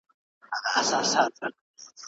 لارښود به د څېړني پایلي ارزیابي کړي.